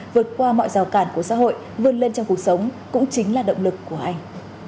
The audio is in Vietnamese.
vượt qua mọi rào cản của xã hội vươn lên trong cuộc sống cũng chính là động lực của anh